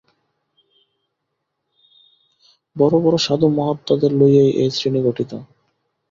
বড় বড় সাধু-মহাত্মাদের লইয়াই এই শ্রেণী গঠিত।